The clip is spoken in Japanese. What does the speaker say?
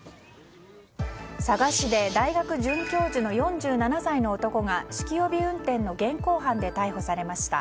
佐賀市で大学准教授の４７歳の男が酒気帯び運転の現行犯で逮捕されました。